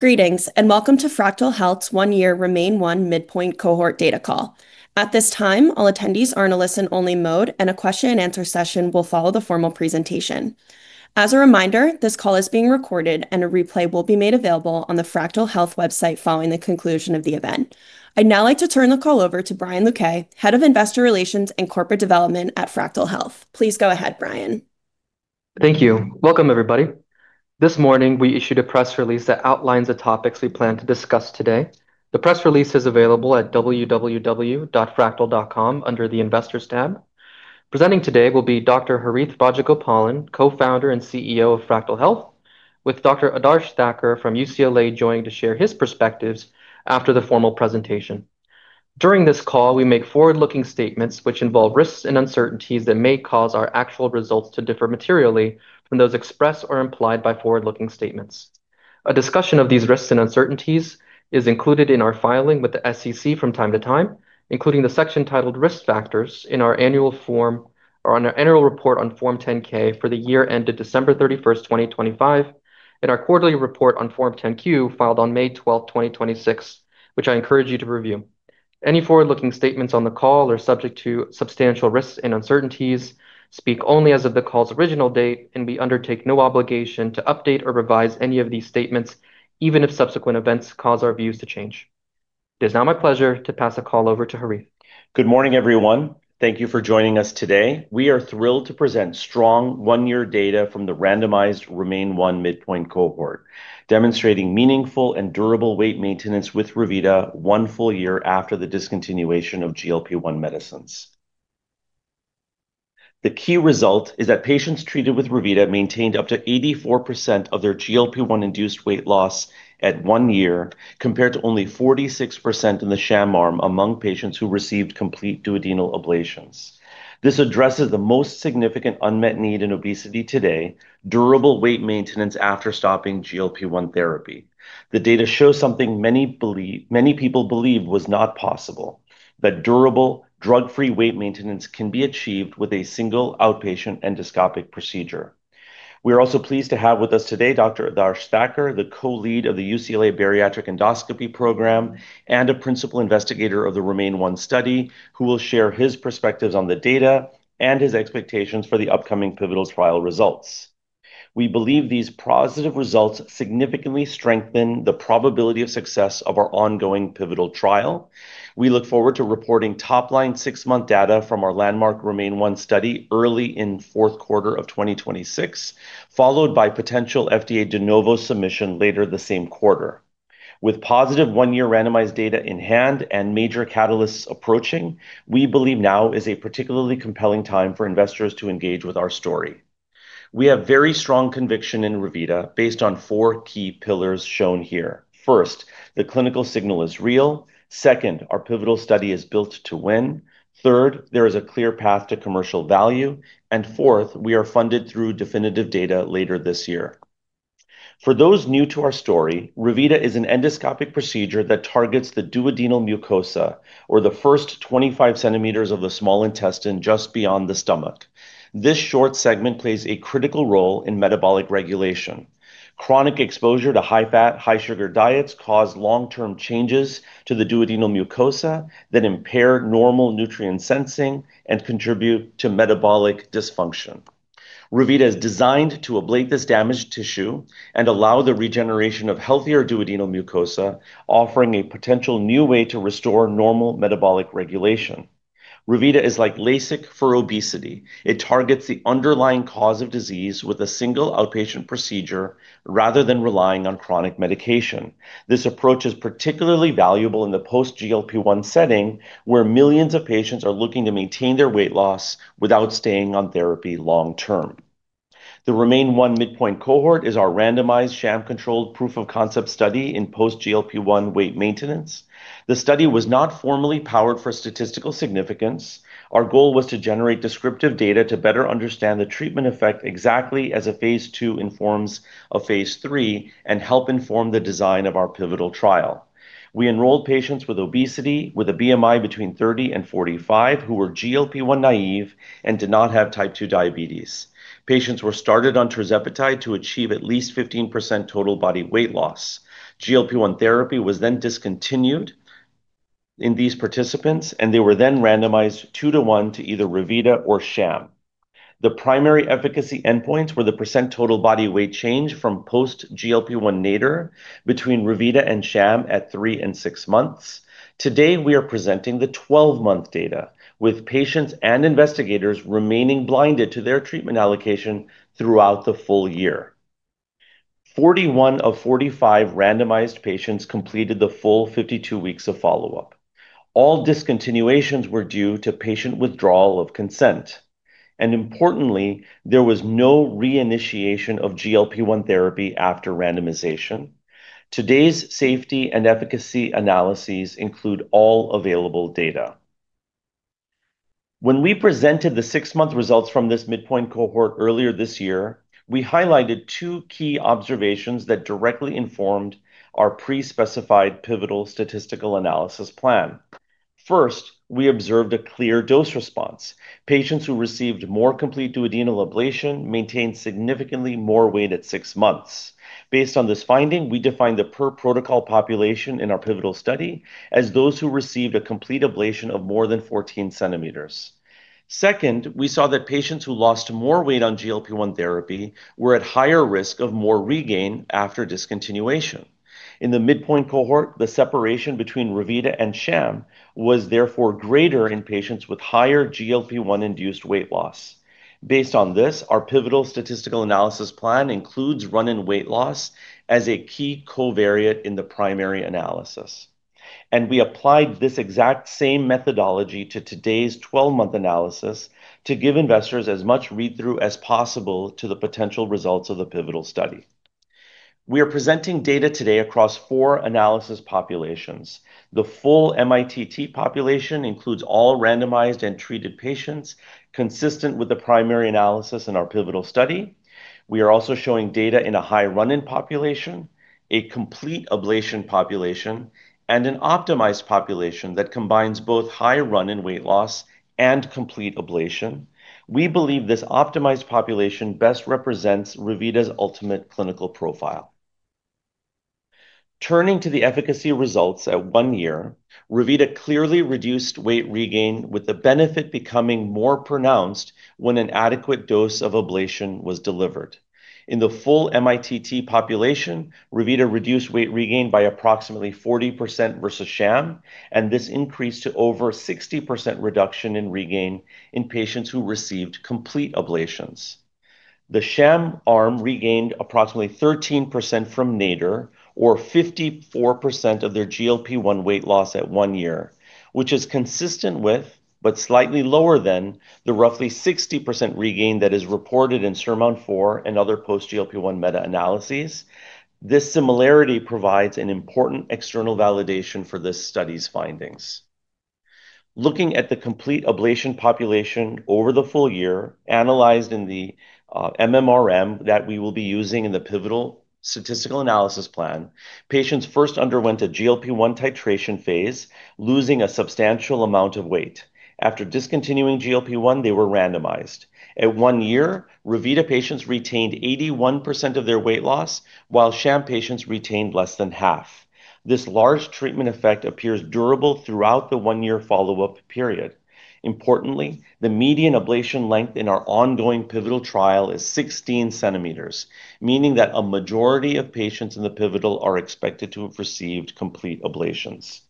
Greetings. Welcome to Fractyl Health's one-year REMAIN-1 midpoint cohort data call. At this time, all attendees are in a listen-only mode, and a question and answer session will follow the formal presentation. As a reminder, this call is being recorded, and a replay will be made available on the Fractyl Health website following the conclusion of the event. I'd now like to turn the call over to Brian Luque, Head of Investor Relations and Corporate Development at Fractyl Health. Please go ahead, Brian. Thank you. Welcome, everybody. This morning, we issued a press release that outlines the topics we plan to discuss today. The press release is available at www.fractyl.com under the Investors tab. Presenting today will be Dr. Harith Rajagopalan, Co-Founder and CEO of Fractyl Health, with Dr. Adarsh Thaker from UCLA joining to share his perspectives after the formal presentation. During this call, we make forward-looking statements which involve risks and uncertainties that may cause our actual results to differ materially from those expressed or implied by forward-looking statements. A discussion of these risks and uncertainties is included in our filing with the SEC from time to time, including the section titled Risk Factors in our annual report on Form 10-K for the year ended December 31st, 2025, and our quarterly report on Form 10-Q, filed on May 12th, 2026, which I encourage you to review. Any forward-looking statements on the call are subject to substantial risks and uncertainties, speak only as of the call's original date, and we undertake no obligation to update or revise any of these statements, even if subsequent events cause our views to change. It is now my pleasure to pass the call over to Harith. Good morning, everyone. Thank you for joining us today. We are thrilled to present strong one-year data from the randomized REMAIN-1 midpoint cohort, demonstrating meaningful and durable weight maintenance with Revita one full year after the discontinuation of GLP-1 medicines. The key result is that patients treated with Revita maintained up to 84% of their GLP-1 induced weight loss at one year, compared to only 46% in the sham arm among patients who received complete duodenal ablations. This addresses the most significant unmet need in obesity today, durable weight maintenance after stopping GLP-1 therapy. The data show something many people believed was not possible, that durable drug-free weight maintenance can be achieved with a single outpatient endoscopic procedure. We are also pleased to have with us today Dr. Adarsh Thaker, the co-lead of the UCLA Bariatric Endoscopy Program and a principal investigator of the REMAIN-1 study, who will share his perspectives on the data and his expectations for the upcoming pivotal trial results. We believe these positive results significantly strengthen the probability of success of our ongoing pivotal trial. We look forward to reporting top-line six-month data from our landmark REMAIN-1 study early in the fourth quarter of 2026, followed by potential FDA De Novo submission later the same quarter. With positive one-year randomized data in hand and major catalysts approaching, we believe now is a particularly compelling time for investors to engage with our story. We have very strong conviction in Revita based on four key pillars shown here. First, the clinical signal is real. Second, our pivotal study is built to win. Third, there is a clear path to commercial value. Fourth, we are funded through definitive data later this year. For those new to our story, Revita is an endoscopic procedure that targets the duodenal mucosa or the first 25 cm of the small intestine just beyond the stomach. This short segment plays a critical role in metabolic regulation. Chronic exposure to high-fat, high-sugar diets cause long-term changes to the duodenal mucosa that impair normal nutrient sensing and contribute to metabolic dysfunction. Revita is designed to ablate this damaged tissue and allow the regeneration of healthier duodenal mucosa, offering a potential new way to restore normal metabolic regulation. Revita is like LASIK for obesity. It targets the underlying cause of disease with a single outpatient procedure rather than relying on chronic medication. This approach is particularly valuable in the post GLP-1 setting, where millions of patients are looking to maintain their weight loss without staying on therapy long term. The REMAIN-1 midpoint cohort is our randomized, sham-controlled proof of concept study in post GLP-1 weight maintenance. The study was not formally powered for statistical significance. Our goal was to generate descriptive data to better understand the treatment effect exactly as a phase II informs a phase III and help inform the design of our pivotal trial. We enrolled patients with obesity with a BMI between 30 and 45 who were GLP-1 naive and did not have type 2 diabetes. Patients were started on tirzepatide to achieve at least 15% total body weight loss. GLP-1 therapy was discontinued in these participants, they were randomized two to one to either Revita or sham. The primary efficacy endpoints were the perent total body weight change from post GLP-1 nadir between Revita and sham at three and six months. Today, we are presenting the 12-month data, with patients and investigators remaining blinded to their treatment allocation throughout the full year. 41 of 45 randomized patients completed the full 52 weeks of follow-up. All discontinuations were due to patient withdrawal of consent, importantly, there was no reinitiation of GLP-1 therapy after randomization. Today's safety and efficacy analyses include all available data. When we presented the six-month results from this midpoint cohort earlier this year, we highlighted two key observations that directly informed our pre-specified pivotal statistical analysis plan. First, we observed a clear dose response. Patients who received more complete duodenal ablation maintained significantly more weight at six months. Based on this finding, we defined the per-protocol population in our pivotal study as those who received a complete ablation of more than 14 cm. Second, we saw that patients who lost more weight on GLP-1 therapy were at higher risk of more regain after discontinuation. In the midpoint cohort, the separation between Revita and sham was therefore greater in patients with higher GLP-1 induced weight loss. Based on this, our pivotal statistical analysis plan includes run-in weight loss as a key covariate in the primary analysis. We applied this exact same methodology to today's 12-month analysis to give investors as much read-through as possible to the potential results of the pivotal study. We are presenting data today across four analysis populations. The full mITT population includes all randomized and treated patients consistent with the primary analysis in our pivotal study. We are also showing data in a high run-in population, a complete ablation population, and an optimized population that combines both high run-in weight loss and complete ablation. We believe this optimized population best represents Revita's ultimate clinical profile. Turning to the efficacy results at one year, Revita clearly reduced weight regain with the benefit becoming more pronounced when an adequate dose of ablation was delivered. In the full mITT population, Revita reduced weight regain by approximately 40% versus sham, and this increased to over 60% reduction in regain in patients who received complete ablations. The sham arm regained approximately 13% from nadir or 54% of their GLP-1 weight loss at one year, which is consistent with, but slightly lower than, the roughly 60% regain that is reported in SURMOUNT-4 and other post GLP-1 meta-analyses. This similarity provides an important external validation for this study's findings. Looking at the complete ablation population over the full year analyzed in the MMRM that we will be using in the pivotal statistical analysis plan, patients first underwent a GLP-1 titration phase, losing a substantial amount of weight. After discontinuing GLP-1, they were randomized. At one year, Revita patients retained 81% of their weight loss while sham patients retained less than half. This large treatment effect appears durable throughout the one-year follow-up period. Importantly, the median ablation length in our ongoing pivotal trial is 16 cm, meaning that a majority of patients in the pivotal are expected to have received complete ablations.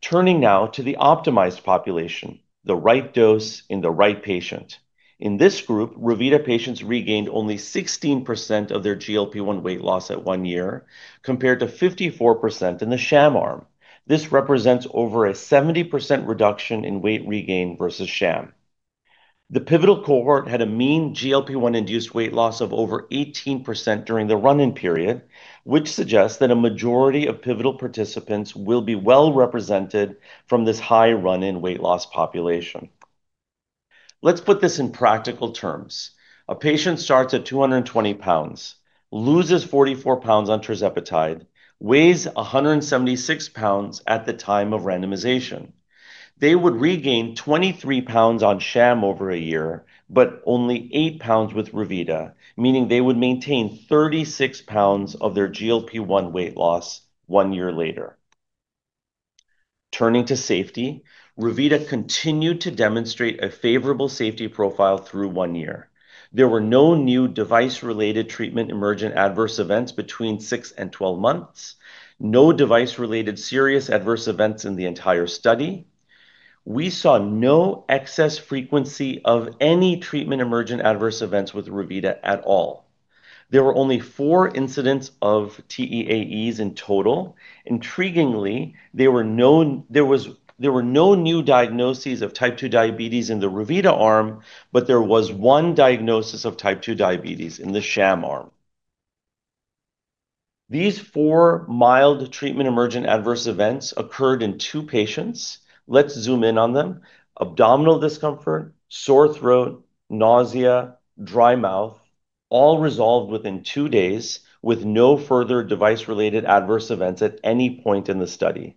Turning now to the optimized population, the right dose in the right patient. In this group, Revita patients regained only 16% of their GLP-1 weight loss at one year, compared to 54% in the sham arm. This represents over a 70% reduction in weight regain versus sham. The pivotal cohort had a mean GLP-1 induced weight loss of over 18% during the run-in period, which suggests that a majority of pivotal participants will be well-represented from this high run-in weight loss population. Let's put this in practical terms. A patient starts at 220 pounds, loses 44 pounds on tirzepatide, weighs 176 pounds at the time of randomization. They would regain 23 pounds on sham over a year, but only eight pounds with Revita, meaning they would maintain 36 pounds of their GLP-1 weight loss one year later. Turning to safety, Revita continued to demonstrate a favorable safety profile through one year. There were no new device-related treatment emergent adverse events between six and 12 months, no device-related serious adverse events in the entire study. We saw no excess frequency of any treatment emergent adverse events with Revita at all. There were only four incidents of TEAEs in total. Intriguingly, there were no new diagnoses of type 2 diabetes in the Revita arm, but there was one diagnosis of type 2 diabetes in the sham arm. These four mild treatment emergent adverse events occurred in two patients. Let's zoom in on them. Abdominal discomfort, sore throat, nausea, dry mouth, all resolved within two days with no further device-related adverse events at any point in the study.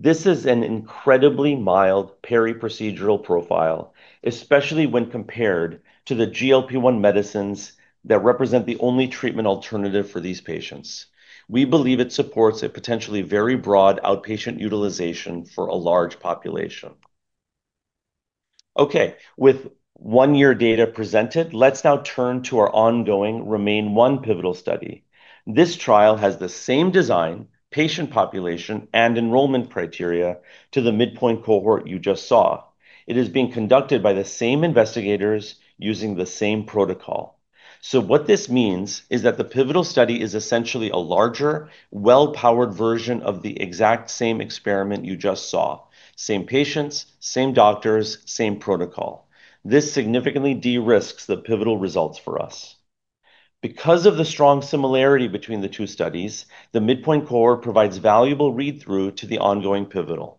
This is an incredibly mild periprocedural profile, especially when compared to the GLP-1 medicines that represent the only treatment alternative for these patients. We believe it supports a potentially very broad outpatient utilization for a large population. With one-year data presented, let's now turn to our ongoing REMAIN-1 pivotal study. This trial has the same design, patient population, and enrollment criteria to the midpoint cohort you just saw. It is being conducted by the same investigators using the same protocol. What this means is that the pivotal study is essentially a larger, well-powered version of the exact same experiment you just saw. Same patients, same doctors, same protocol. This significantly de-risks the pivotal results for us. Because of the strong similarity between the two studies, the midpoint cohort provides valuable read-through to the ongoing pivotal.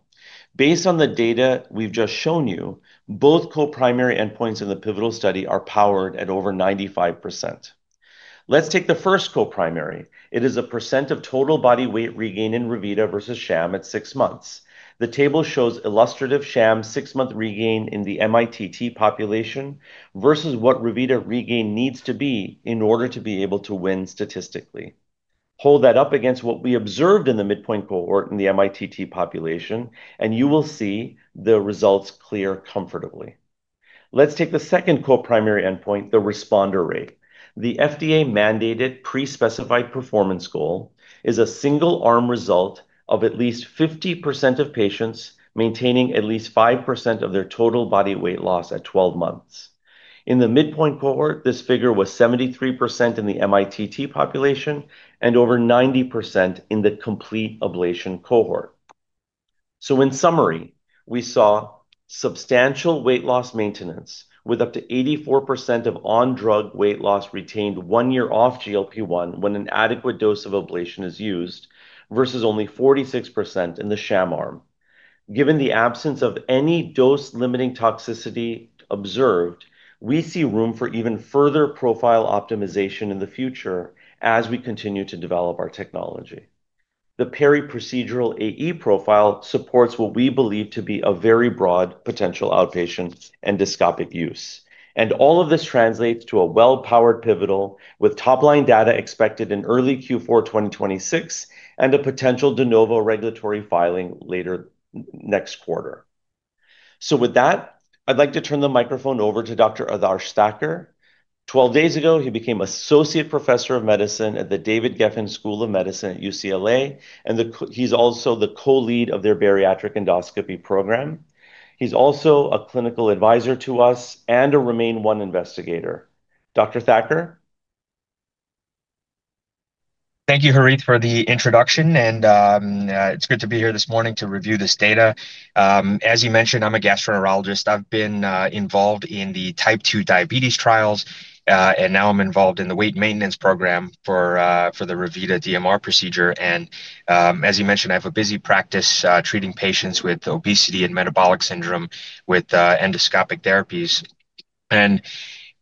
Based on the data we've just shown you, both co-primary endpoints in the pivotal study are powered at over 95%. Let's take the first co-primary. It is a percent of total body weight regain in Revita versus sham at six months. The table shows illustrative sham six-month regain in the mITT population versus what Revita regain needs to be in order to be able to win statistically. Hold that up against what we observed in the midpoint cohort in the mITT population, you will see the results clear comfortably. Let's take the second co-primary endpoint, the responder rate. The FDA-mandated pre-specified performance goal is a single-arm result of at least 50% of patients maintaining at least 5% of their total body weight loss at 12 months. In the midpoint cohort, this figure was 73% in the mITT population and over 90% in the complete ablation cohort. In summary, we saw substantial weight loss maintenance with up to 84% of on-drug weight loss retained one year off GLP-1 when an adequate dose of ablation is used, versus only 46% in the sham arm. Given the absence of any dose-limiting toxicity observed, we see room for even further profile optimization in the future as we continue to develop our technology. The periprocedural AE profile supports what we believe to be a very broad potential outpatient endoscopic use. All of this translates to a well-powered pivotal with top-line data expected in early Q4 2026 and a potential De Novo regulatory filing later next quarter. With that, I'd like to turn the microphone over to Dr. Adarsh Thaker. 12 days ago, he became associate professor of medicine at the David Geffen School of Medicine at UCLA, and he's also the co-lead of their UCLA Bariatric Endoscopy Program. He's also a clinical advisor to us and a REMAIN-1 investigator. Dr. Thaker? Thank you, Harith, for the introduction. It's good to be here this morning to review this data. As you mentioned, I'm a gastroenterologist. I've been involved in the type 2 diabetes trials. Now I'm involved in the weight maintenance program for the Revita DMR procedure. As you mentioned, I have a busy practice treating patients with obesity and metabolic syndrome with endoscopic therapies.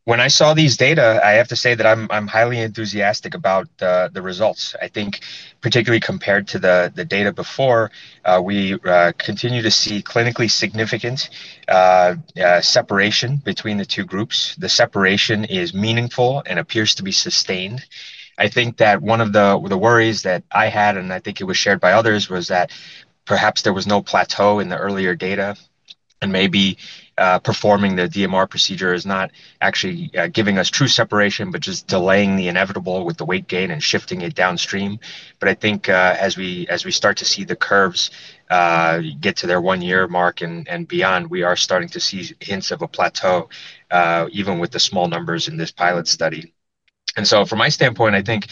When I saw these data, I have to say that I'm highly enthusiastic about the results. I think particularly compared to the data before, we continue to see clinically significant separation between the two groups. The separation is meaningful and appears to be sustained. I think that one of the worries that I had. I think it was shared by others, was that perhaps there was no plateau in the earlier data, and maybe performing the DMR procedure is not actually giving us true separation, but just delaying the inevitable with the weight gain and shifting it downstream. I think as we start to see the curves get to their 1-year mark and beyond, we are starting to see hints of a plateau, even with the small numbers in this pilot study. From my standpoint, I think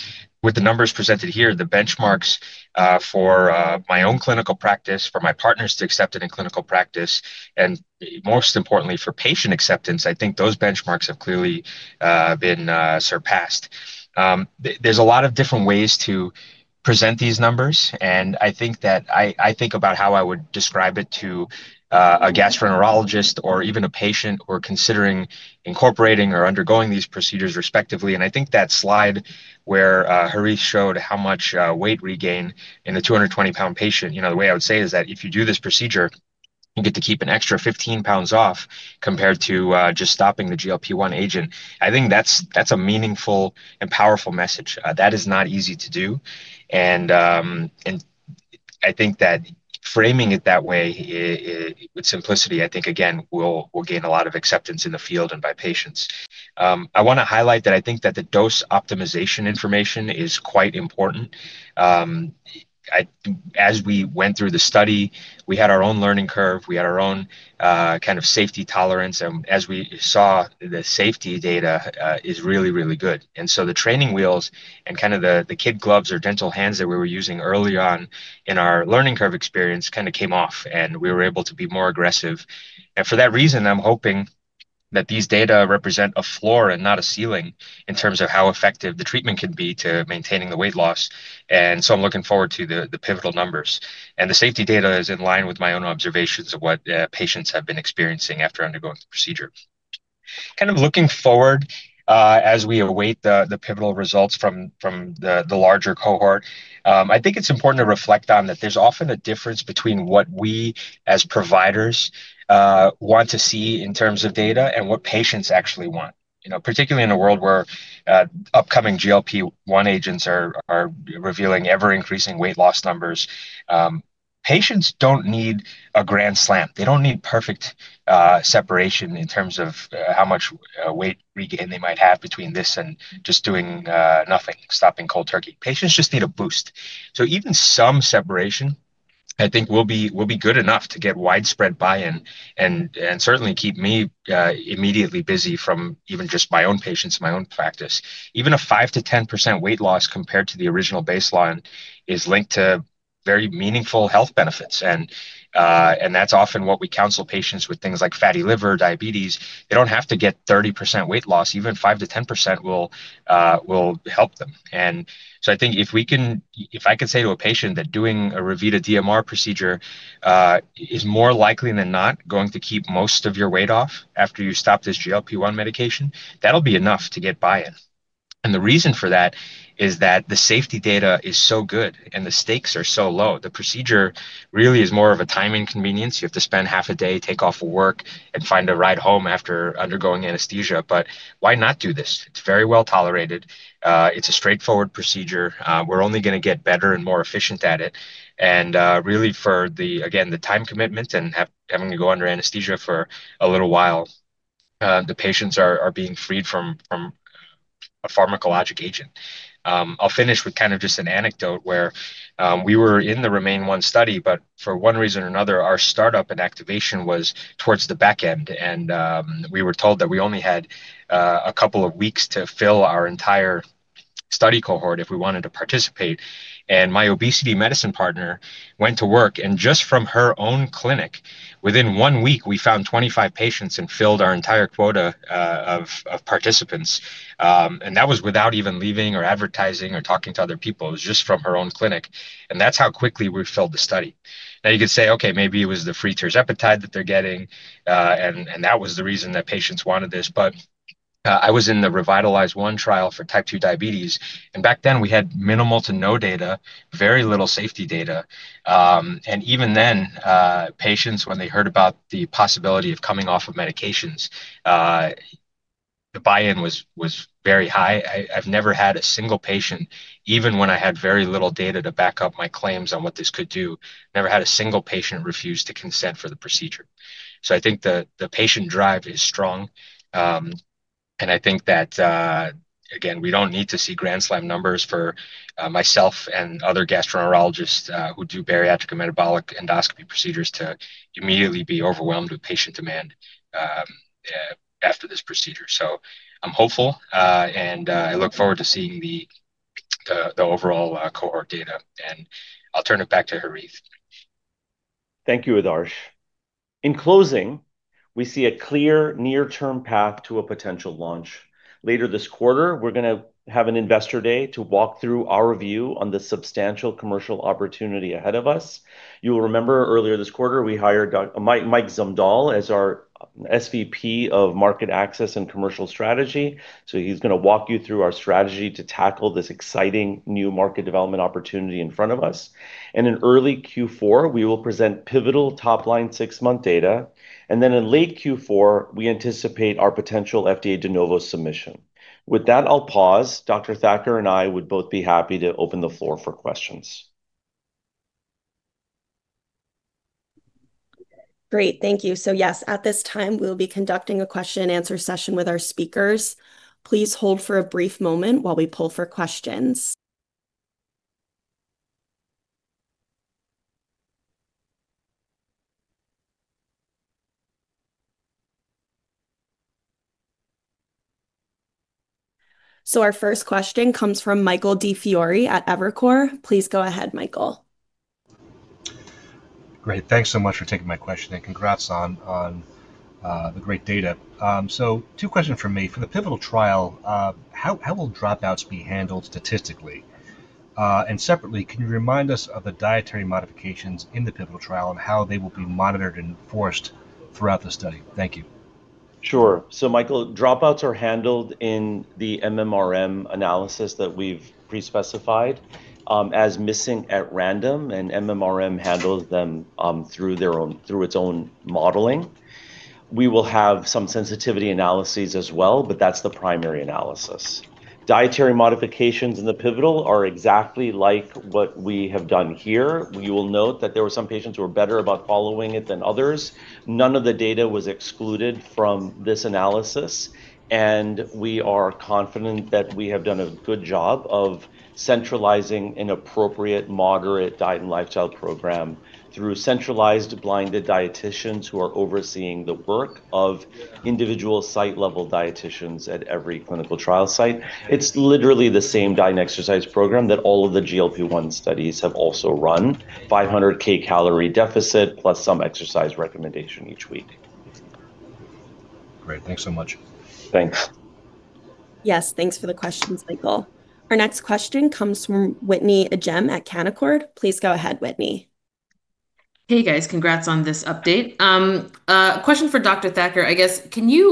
with the numbers presented here, the benchmarks for my own clinical practice, for my partners to accept it in clinical practice, and most importantly for patient acceptance, I think those benchmarks have clearly been surpassed. There's a lot of different ways to present these numbers. I think about how I would describe it to a gastroenterologist or even a patient who are considering incorporating or undergoing these procedures respectively, and I think that slide where Harith showed how much weight regain in the 220-pound patient. The way I would say is that if you do this procedure, you get to keep an extra 15 pounds off compared to just stopping the GLP-1 agent. I think that's a meaningful and powerful message. That is not easy to do. I think that framing it that way with simplicity, I think again, will gain a lot of acceptance in the field and by patients. I want to highlight that I think that the dose optimization information is quite important. As we went through the study, we had our own learning curve, we had our own safety tolerance. As we saw, the safety data is really, really good. The training wheels and the kid gloves or gentle hands that we were using early on in our learning curve experience came off, and we were able to be more aggressive. For that reason, I'm hoping that these data represent a floor and not a ceiling in terms of how effective the treatment can be to maintaining the weight loss. I'm looking forward to the pivotal numbers. The safety data is in line with my own observations of what patients have been experiencing after undergoing the procedure. Looking forward, as we await the pivotal results from the larger cohort, I think it's important to reflect on that there's often a difference between what we as providers want to see in terms of data and what patients actually want. Particularly in a world where upcoming GLP-1 agents are revealing ever-increasing weight loss numbers. Patients don't need a grand slam. They don't need perfect separation in terms of how much weight regain they might have between this and just doing nothing, stopping cold turkey. Patients just need a boost. Even some separation, I think, will be good enough to get widespread buy-in and certainly keep me immediately busy from even just my own patients in my own practice. Even a 5%-10% weight loss compared to the original baseline is linked to very meaningful health benefits. That's often what we counsel patients with things like fatty liver, diabetes. They don't have to get 30% weight loss, even 5%-10% will help them. I think if I can say to a patient that doing a Revita DMR procedure is more likely than not going to keep most of your weight off after you stop this GLP-1 medication, that'll be enough to get buy-in. The reason for that is that the safety data is so good and the stakes are so low. The procedure really is more of a timing inconvenience. You have to spend half a day, take off of work, and find a ride home after undergoing anesthesia, but why not do this? It's very well tolerated. It's a straightforward procedure. We're only going to get better and more efficient at it. Really for, again, the time commitment and having to go under anesthesia for a little while, the patients are being freed from a pharmacologic agent. I'll finish with kind of just an anecdote where we were in the REMAIN-1 study, for one reason or another, our startup and activation was towards the back end and we were told that we only had a couple of weeks to fill our entire study cohort if we wanted to participate. My obesity medicine partner went to work, and just from her own clinic, within one week, we found 25 patients and filled our entire quota of participants. That was without even leaving or advertising or talking to other people. It was just from her own clinic, and that's how quickly we filled the study. Now you could say, okay, maybe it was the free tirzepatide that they're getting, and that was the reason that patients wanted this. I was in the REVITALIZE-1 trial for type 2 diabetes, back then we had minimal to no data, very little safety data. Even then, patients, when they heard about the possibility of coming off of medications, the buy-in was very high. I've never had a single patient, even when I had very little data to back up my claims on what this could do, never had a single patient refuse to consent for the procedure. I think the patient drive is strong. I think that, again, we don't need to see grand slam numbers for myself and other gastroenterologists who do bariatric and metabolic endoscopy procedures to immediately be overwhelmed with patient demand after this procedure. I'm hopeful, and I look forward to seeing the overall cohort data. I'll turn it back to Harith. Thank you, Adarsh. In closing, we see a clear near-term path to a potential launch. Later this quarter, we're going to have an investor day to walk through our review on the substantial commercial opportunity ahead of us. You'll remember earlier this quarter, we hired Mike Zumdahl as our SVP of Market Access and Commercial Strategy. He's going to walk you through our strategy to tackle this exciting new market development opportunity in front of us. In early Q4, we will present pivotal top-line six-month data. In late Q4, we anticipate our potential FDA De Novo submission. With that, I'll pause. Dr. Thaker and I would both be happy to open the floor for questions. Great. Thank you. Yes, at this time, we'll be conducting a question and answer session with our speakers. Please hold for a brief moment while we poll for questions. Our first question comes from Michael DiFiore at Evercore. Please go ahead, Michael. Great. Thanks so much for taking my question, and congrats on the great data. Two questions from me. For the pivotal trial, how will dropouts be handled statistically? Separately, can you remind us of the dietary modifications in the pivotal trial and how they will be monitored and enforced throughout the study? Thank you. Sure. Michael, dropouts are handled in the MMRM analysis that we've pre-specified as missing at random, and MMRM handles them through its own modeling. We will have some sensitivity analyses as well, but that's the primary analysis. Dietary modifications in the pivotal are exactly like what we have done here. You will note that there were some patients who were better about following it than others. None of the data was excluded from this analysis, and we are confident that we have done a good job of centralizing an appropriate moderate diet and lifestyle program through centralized blinded dieticians who are overseeing the work of individual site-level dieticians at every clinical trial site. It's literally the same diet and exercise program that all of the GLP-1 studies have also run, 500 kcal calorie deficit plus some exercise recommendation each week. Great. Thanks so much. Thanks. Yes. Thanks for the questions, Michael. Our next question comes from Whitney Ijem at Canaccord Genuity. Please go ahead, Whitney. Hey, guys. Congrats on this update. A question for Dr. Thaker, I guess.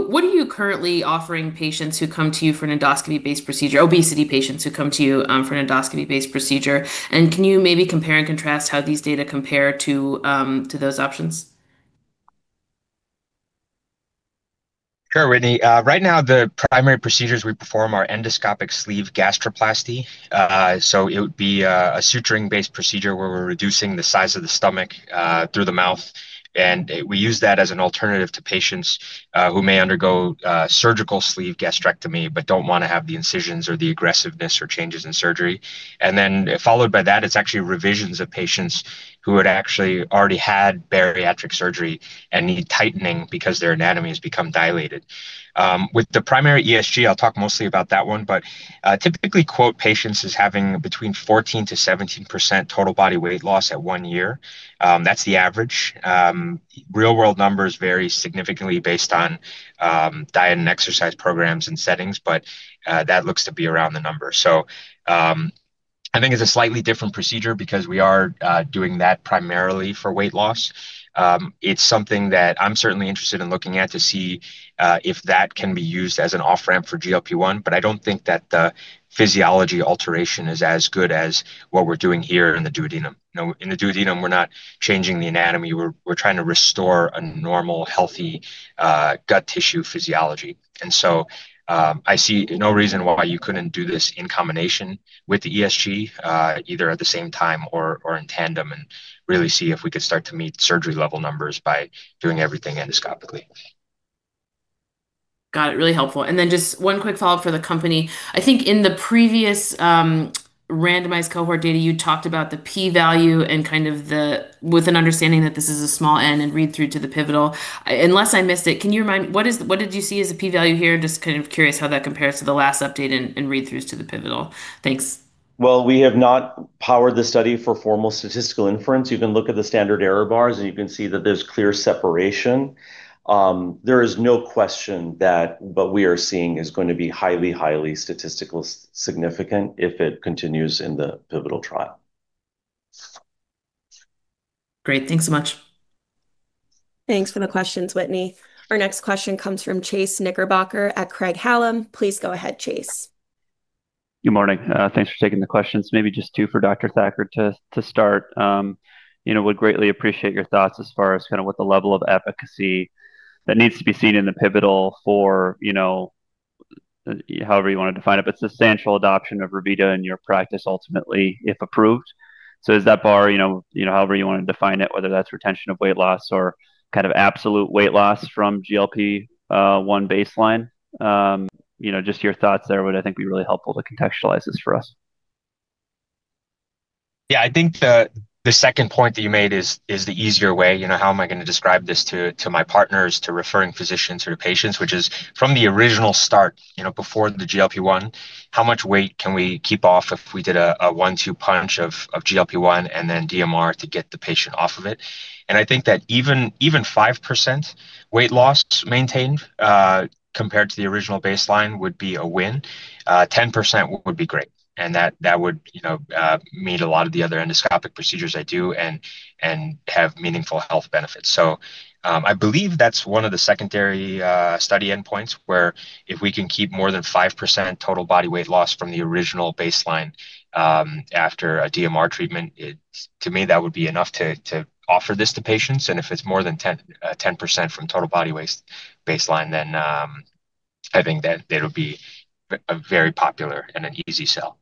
What are you currently offering patients who come to you for an endoscopy-based procedure, obesity patients who come to you for an endoscopy-based procedure? Can you maybe compare and contrast how these data compare to those options? Sure, Whitney. Right now, the primary procedures we perform are endoscopic sleeve gastroplasty. It would be a suturing-based procedure where we're reducing the size of the stomach through the mouth, and we use that as an alternative to patients who may undergo surgical sleeve gastrectomy but don't want to have the incisions or the aggressiveness or changes in surgery. Followed by that, it's actually revisions of patients who had actually already had bariatric surgery and need tightening because their anatomy has become dilated. With the primary ESG, I'll talk mostly about that one, but typically quote patients as having between 14%-17% total body weight loss at one year. That's the average. Real-world numbers vary significantly based on diet and exercise programs and settings. That looks to be around the number. I think it's a slightly different procedure because we are doing that primarily for weight loss. It's something that I'm certainly interested in looking at to see if that can be used as an off-ramp for GLP-1. I don't think that the physiology alteration is as good as what we're doing here in the duodenum. In the duodenum, we're not changing the anatomy. We're trying to restore a normal, healthy gut tissue physiology. I see no reason why you couldn't do this in combination with the ESG, either at the same time or in tandem, and really see if we could start to meet surgery-level numbers by doing everything endoscopically. Got it. Really helpful. Just one quick follow-up for the company. I think in the previous randomized cohort data, you talked about the P value with an understanding that this is a small N and read through to the pivotal. Unless I missed it, can you remind, what did you see as a P value here? Just kind of curious how that compares to the last update and read-throughs to the pivotal. Thanks. We have not powered the study for formal statistical inference. You can look at the standard error bars, and you can see that there's clear separation. There is no question that what we are seeing is going to be highly statistically significant if it continues in the pivotal trial. Great. Thanks so much. Thanks for the questions, Whitney. Our next question comes from Chase Knickerbocker at Craig-Hallum. Please go ahead, Chase. Good morning. Thanks for taking the questions. Maybe just two for Dr. Thaker to start. Would greatly appreciate your thoughts as far as what the level of efficacy that needs to be seen in the pivotal for, however you want to define it, but substantial adoption of Revita in your practice, ultimately, if approved. Is that bar, however you want to define it, whether that's retention of weight loss or absolute weight loss from GLP-1 baseline. Just your thoughts there would, I think, be really helpful to contextualize this for us. Yeah, I think the second point that you made is the easier way. How am I going to describe this to my partners, to referring physicians, or to patients, which is from the original start, before the GLP-1, how much weight can we keep off if we did a one-two punch of GLP-1 and then DMR to get the patient off of it? I think that even 5% weight loss maintained, compared to the original baseline, would be a win. 10% would be great, and that would meet a lot of the other endoscopic procedures I do and have meaningful health benefits. I believe that's one of the secondary study endpoints, where if we can keep more than 5% total body weight loss from the original baseline after a DMR treatment, to me, that would be enough to offer this to patients. If it's more than 10% from total body weight baseline, then I think that it'll be very popular and an easy sell.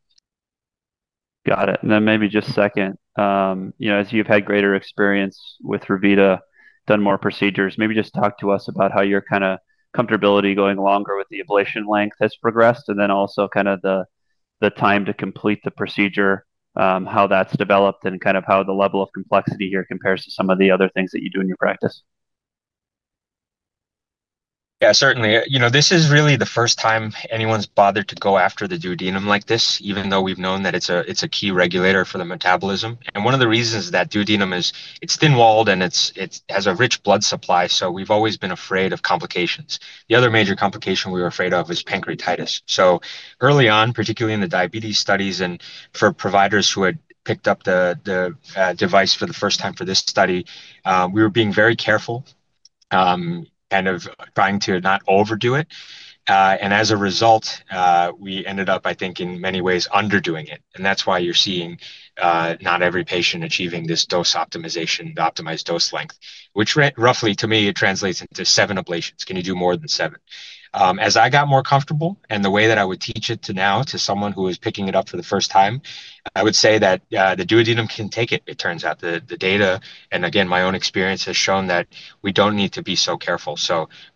Got it. Then maybe just second, as you've had greater experience with Revita, done more procedures, maybe just talk to us about how your kind of comfortability going longer with the ablation length has progressed, then also the time to complete the procedure, how that's developed and how the level of complexity here compares to some of the other things that you do in your practice. Yeah, certainly. This is really the first time anyone's bothered to go after the duodenum like this, even though we've known that it's a key regulator for the metabolism. One of the reasons that duodenum is it's thin-walled, and it has a rich blood supply, we've always been afraid of complications. The other major complication we were afraid of is pancreatitis. Early on, particularly in the diabetes studies and for providers who had picked up the device for the first time for this study, we were being very careful and trying to not overdo it. As a result, we ended up, I think, in many ways, underdoing it. That's why you're seeing not every patient achieving this dose optimization, the optimized dose length. Which roughly, to me, it translates into seven ablations. Can you do more than seven? As I got more comfortable and the way that I would teach it to now to someone who is picking it up for the first time, I would say that the duodenum can take it turns out. The data, again, my own experience, has shown that we don't need to be so careful.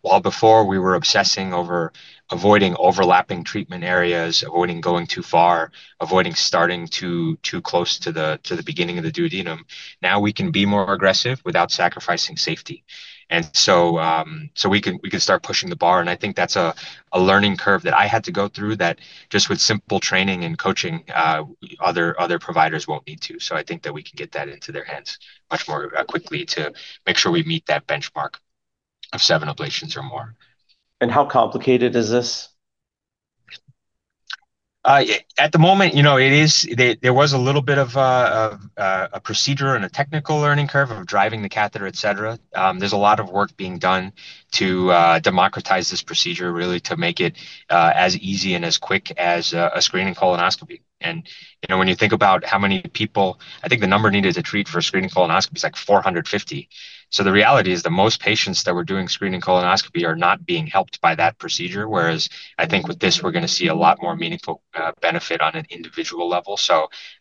While before we were obsessing over avoiding overlapping treatment areas, avoiding going too far, avoiding starting too close to the beginning of the duodenum, now we can be more aggressive without sacrificing safety. We can start pushing the bar, I think that's a learning curve that I had to go through that just with simple training and coaching, other providers won't need to. I think that we can get that into their hands much more quickly to make sure we meet that benchmark of seven ablations or more. How complicated is this? At the moment, there was a little bit of a procedure and a technical learning curve of driving the catheter, et cetera. There's a lot of work being done to democratize this procedure, really to make it as easy and as quick as a screening colonoscopy. When you think about how many people, I think the number needed to treat for a screening colonoscopy is like 450. The reality is that most patients that we're doing screening colonoscopy are not being helped by that procedure. Whereas I think with this, we're going to see a lot more meaningful benefit on an individual level.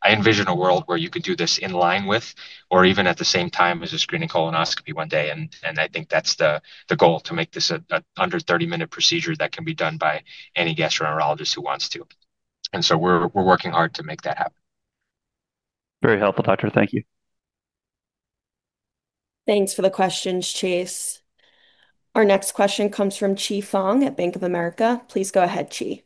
I envision a world where you can do this in line with or even at the same time as a screening colonoscopy one day, and I think that's the goal, to make this an under 30-minute procedure that can be done by any gastroenterologist who wants to. We're working hard to make that happen. Very helpful, Doctor. Thank you. Thanks for the questions, Chase. Our next question comes from Qi Fang at Bank of America. Please go ahead, Qi.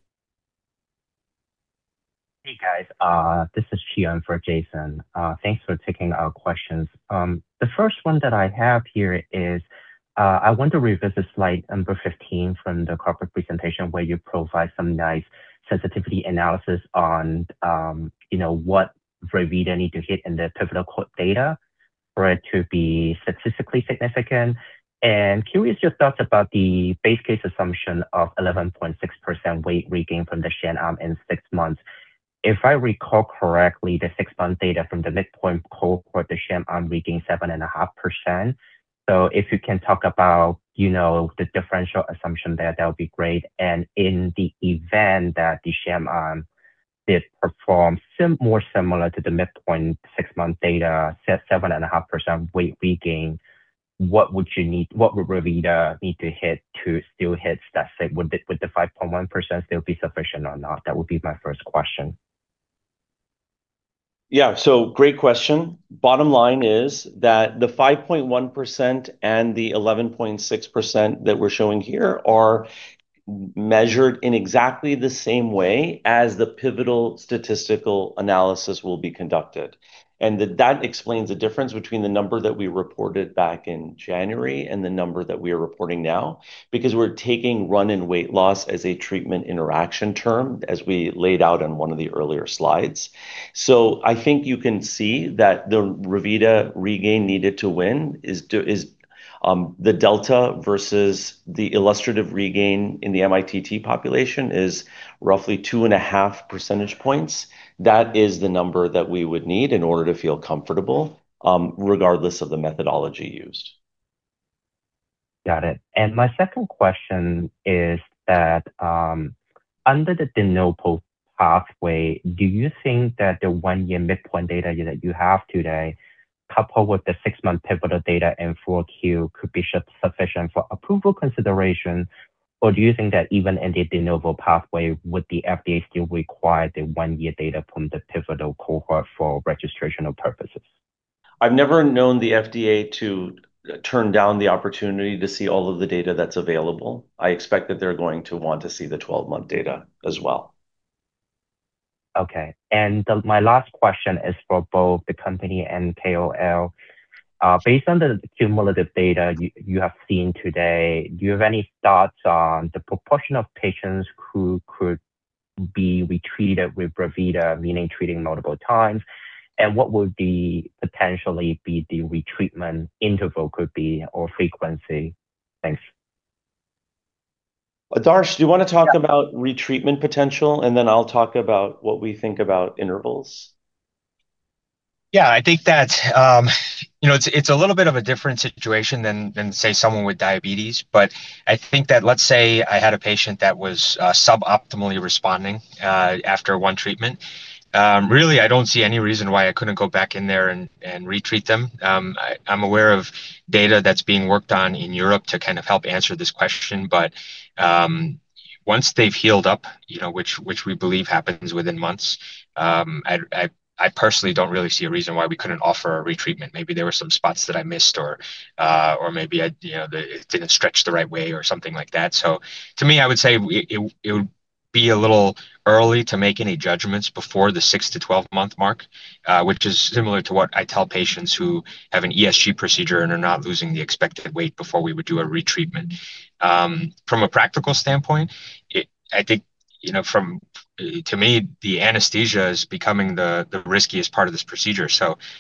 Hey, guys. This is Qi in for Jason. Thanks for taking our questions. The first one that I have here is, I want to revisit slide number 15 from the corporate presentation where you provide some nice sensitivity analysis on what Revita need to hit in the pivotal cohort data for it to be statistically significant. Curious your thoughts about the base case assumption of 11.6% weight regain from the sham arm in six months. If I recall correctly, the six-month data from the midpoint cohort, the sham arm regained 7.5%. If you can talk about the differential assumption there, that would be great. In the event that the sham arm did perform more similar to the midpoint six-month data, say 7.5% weight regain, what would Revita need to hit to still hit statistic? Would the 5.1% still be sufficient or not? That would be my first question. Great question. Bottom line is that the 5.1% and the 11.6% that we're showing here are measured in exactly the same way as the pivotal statistical analysis will be conducted. That explains the difference between the number that we reported back in January and the number that we are reporting now, because we're taking run and weight loss as a treatment interaction term, as we laid out on one of the earlier slides. I think you can see that the Revita regain needed to win is the delta versus the illustrative regain in the mITT population is roughly two and a half percentage points. That is the number that we would need in order to feel comfortable, regardless of the methodology used. Got it. My second question is that, under the De Novo pathway, do you think that the one-year midpoint data that you have today, coupled with the six-month pivotal data in 4Q, could be sufficient for approval consideration? Or do you think that even in the De Novo pathway, would the FDA still require the one-year data from the pivotal cohort for registrational purposes? I've never known the FDA to turn down the opportunity to see all of the data that's available. I expect that they're going to want to see the 12-month data as well. Okay. My last question is for both the company and KOL. Based on the cumulative data you have seen today, do you have any thoughts on the proportion of patients who could be retreated with Revita, meaning treating multiple times? What would potentially be the retreatment interval could be or frequency? Thanks. Darsh, do you want to talk about retreatment potential, then I'll talk about what we think about intervals? Yeah, I think that it's a little bit of a different situation than, say, someone with diabetes. I think that let's say I had a patient that was suboptimally responding after one treatment. Really, I don't see any reason why I couldn't go back in there and retreat them. I'm aware of data that's being worked on in Europe to kind of help answer this question. Once they've healed up, which we believe happens within months, I personally don't really see a reason why we couldn't offer a retreatment. Maybe there were some spots that I missed or maybe it didn't stretch the right way or something like that. To me, I would say it would be a little early to make any judgments before the six to 12-month mark, which is similar to what I tell patients who have an ESG procedure and are not losing the expected weight before we would do a retreatment. From a practical standpoint, I think, to me, the anesthesia is becoming the riskiest part of this procedure.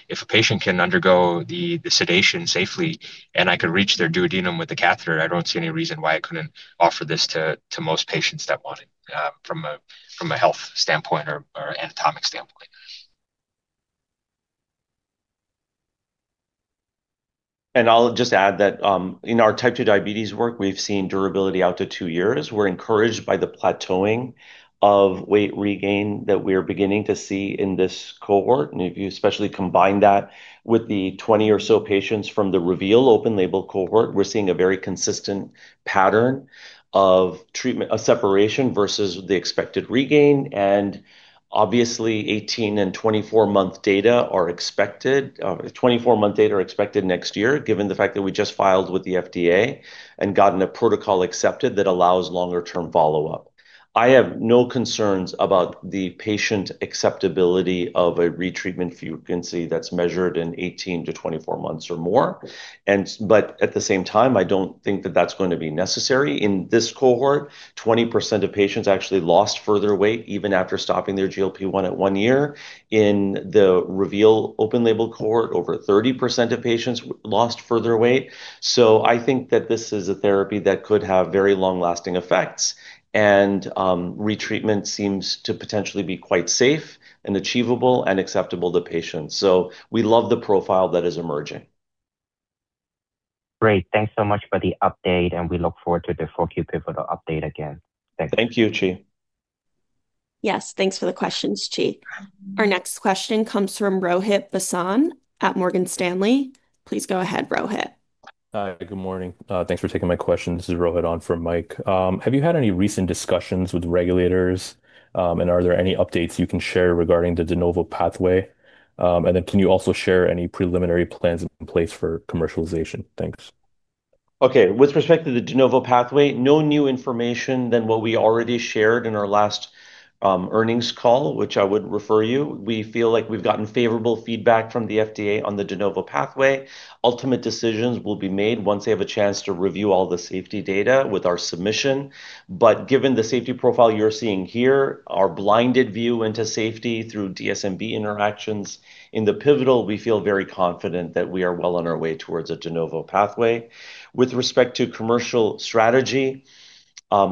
If a patient can undergo the sedation safely and I could reach their duodenum with the catheter, I don't see any reason why I couldn't offer this to most patients that want it from a health standpoint or anatomic standpoint. I'll just add that in our type 2 diabetes work, we've seen durability out to two years. We're encouraged by the plateauing of weight regain that we're beginning to see in this cohort. If you especially combine that with the 20 or so patients from the REVEAL open label cohort, we're seeing a very consistent pattern of separation versus the expected regain. Obviously, 18 and 24-month data are expected. 24-month data are expected next year, given the fact that we just filed with the FDA and gotten a protocol accepted that allows longer-term follow-up. I have no concerns about the patient acceptability of a retreatment frequency that's measured in 18 to 24 months or more. At the same time, I don't think that that's going to be necessary. In this cohort, 20% of patients actually lost further weight even after stopping their GLP-1 at one year. In the REVEAL open label cohort, over 30% of patients lost further weight. I think that this is a therapy that could have very long-lasting effects, and retreatment seems to potentially be quite safe and achievable and acceptable to patients. We love the profile that is emerging. Great. Thanks so much for the update, and we look forward to the 4Q pivotal update again. Thanks. Thank you, Qi. Yes, thanks for the questions, Qi. Our next question comes from Rohit Bhasin at Morgan Stanley. Please go ahead, Rohit. Hi. Good morning. Thanks for taking my question. This is Rohit on for Mike. Are there any recent discussions with regulators? Can you also share any preliminary plans in place for commercialization? Thanks. Okay. With respect to the De Novo pathway, no new information than what we already shared in our last earnings call, which I would refer you. We feel like we've gotten favorable feedback from the FDA on the De Novo pathway. Ultimate decisions will be made once they have a chance to review all the safety data with our submission. Given the safety profile you're seeing here, our blinded view into safety through DSMB interactions in the pivotal, we feel very confident that we are well on our way towards a De Novo pathway. With respect to commercial strategy,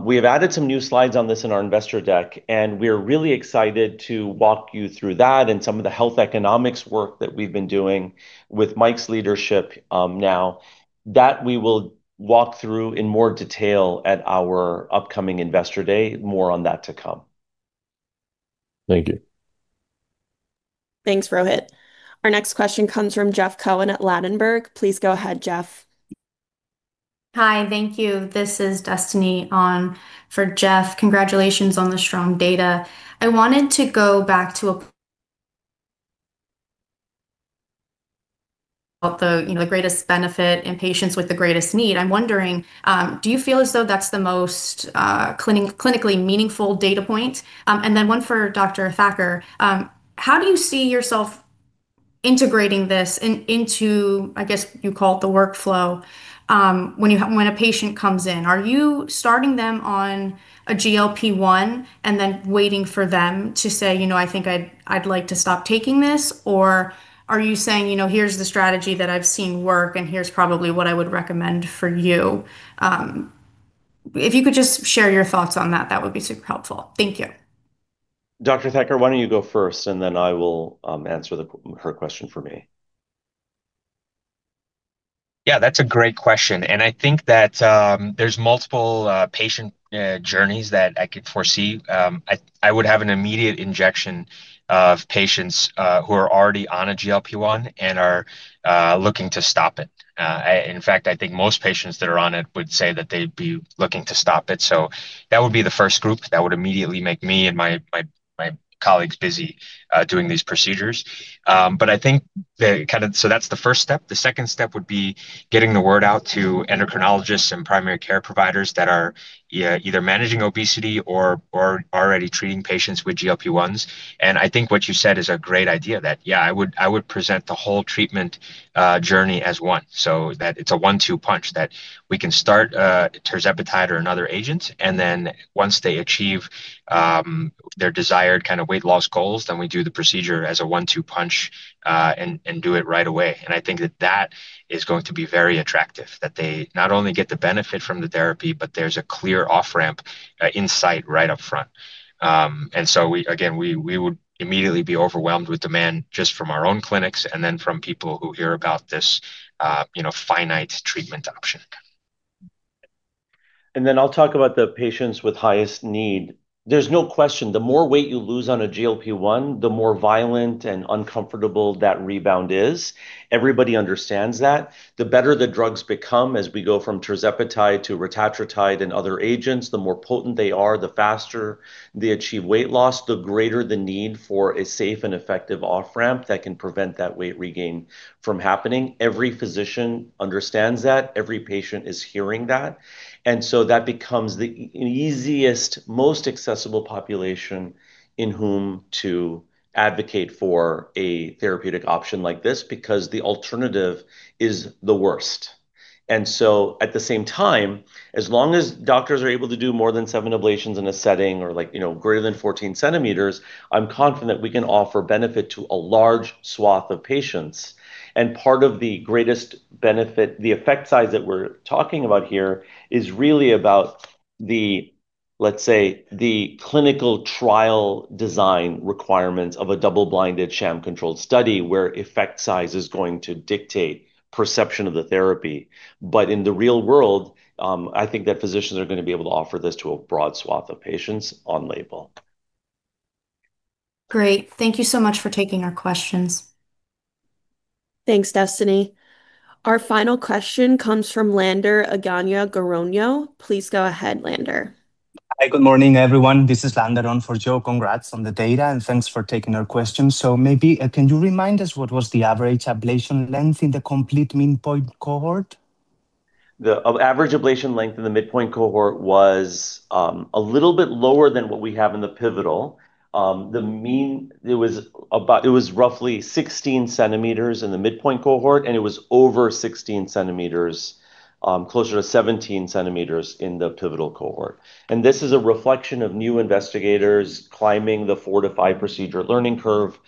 we have added some new slides on this in our investor deck, and we're really excited to walk you through that and some of the health economics work that we've been doing with Mike's leadership now. That we will walk through in more detail at our upcoming investor day. More on that to come. Thank you. Thanks, Rohit. Our next question comes from Jeff Cohen at Ladenburg. Please go ahead, Jeff. Hi. Thank you. This is Destiny on for Jeff Cohen. Congratulations on the strong data. I wanted to go back to the greatest benefit in patients with the greatest need. I'm wondering, do you feel as though that's the most clinically meaningful data point? One for Dr. Thaker. How do you see yourself integrating this into, I guess, you call it the workflow, when a patient comes in? Are you starting them on a GLP-1 and then waiting for them to say, "I think I'd like to stop taking this," or are you saying, "Here's the strategy that I've seen work, and here's probably what I would recommend for you"? If you could just share your thoughts on that would be super helpful. Thank you. Dr. Thaker, why don't you go first, I will answer her question for me. Yeah, that's a great question. I think that there's multiple patient journeys that I could foresee. I would have an immediate injection of patients who are already on a GLP-1 and are looking to stop it. In fact, I think most patients that are on it would say that they'd be looking to stop it. That would be the first group that would immediately make me and my colleagues busy doing these procedures. That's the first step. The second step would be getting the word out to endocrinologists and primary care providers that are either managing obesity or are already treating patients with GLP-1s. I think what you said is a great idea, that, yeah, I would present the whole treatment journey as one, that it's a one-two punch that we can start tirzepatide or another agent, once they achieve their desired weight loss goals, we do the procedure as a one-two punch, and do it right away. I think that that is going to be very attractive, that they not only get the benefit from the therapy, but there's a clear off-ramp insight right up front. Again, we would immediately be overwhelmed with demand just from our own clinics and then from people who hear about this finite treatment option. I'll talk about the patients with highest need. There's no question, the more weight you lose on a GLP-1, the more violent and uncomfortable that rebound is. Everybody understands that. The better the drugs become as we go from tirzepatide to retatrutide and other agents, the more potent they are, the faster they achieve weight loss, the greater the need for a safe and effective off-ramp that can prevent that weight regain from happening. Every physician understands that. Every patient is hearing that. That becomes the easiest, most accessible population in whom to advocate for a therapeutic option like this, because the alternative is the worst. At the same time, as long as doctors are able to do more than seven ablations in a setting or greater than 14 cm, I'm confident we can offer benefit to a large swath of patients. Part of the greatest benefit, the effect size that we're talking about here is really about the, let's say, the clinical trial design requirements of a double-blinded sham-controlled study where effect size is going to dictate perception of the therapy. In the real world, I think that physicians are going to be able to offer this to a broad swath of patients on label. Great. Thank you so much for taking our questions. Thanks, Destiny. Our final question comes from Lander Egaña Gorroño. Please go ahead, Lander. Hi. Good morning, everyone. This is Lander on for Joseph. Congrats on the data, thanks for taking our question. Maybe can you remind us what was the average ablation length in the complete midpoint cohort? The average ablation length in the midpoint cohort was a little bit lower than what we have in the pivotal. It was roughly 16 cm in the midpoint cohort, it was over 16 cm, closer to 17 cm in the pivotal cohort. This is a reflection of new investigators climbing the four to five procedure learning curve,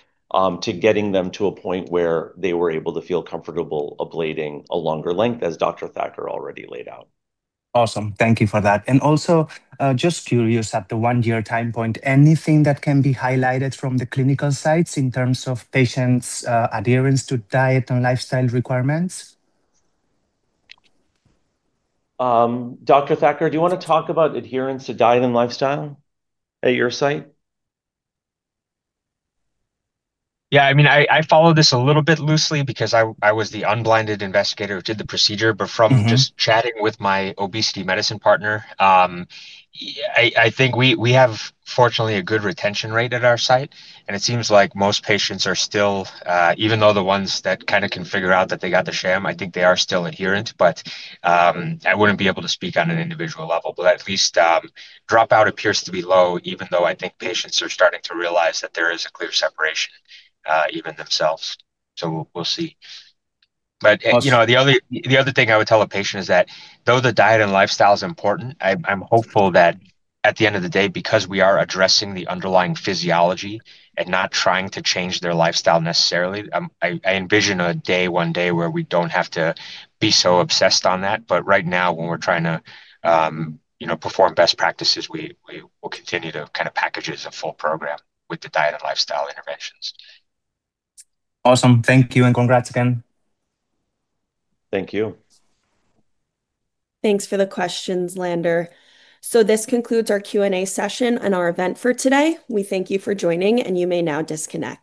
to getting them to a point where they were able to feel comfortable ablating a longer length, as Dr. Thaker already laid out. Awesome. Thank you for that. Also, just curious, at the one-year time point, anything that can be highlighted from the clinical sites in terms of patients' adherence to diet and lifestyle requirements? Dr. Thaker, do you want to talk about adherence to diet and lifestyle at your site? Yeah. I followed this a little bit loosely because I was the unblinded investigator who did the procedure. just chatting with my obesity medicine partner, I think we have, fortunately, a good retention rate at our site, and it seems like most patients are still, even though the ones that can figure out that they got the sham, I think they are still adherent. I wouldn't be able to speak on an individual level. At least dropout appears to be low, even though I think patients are starting to realize that there is a clear separation, even themselves. We'll see. Also- The other thing I would tell a patient is that though the diet and lifestyle is important, I'm hopeful that at the end of the day, because we are addressing the underlying physiology and not trying to change their lifestyle necessarily, I envision a day one day where we don't have to be so obsessed on that. Right now, when we're trying to perform best practices, we will continue to package it as a full program with the diet and lifestyle interventions. Awesome. Thank you, and congrats again. Thank you. Thanks for the questions, Lander. This concludes our Q&A session and our event for today. We thank you for joining, and you may now disconnect.